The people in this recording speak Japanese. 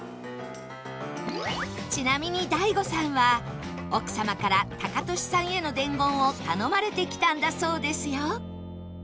ちなみに ＤＡＩＧＯ さんは奥様からタカトシさんへの伝言を頼まれてきたんだそうですよ